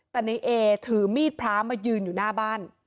แต่ในเอถือมีดพระมายืนอยู่หน้าบ้าน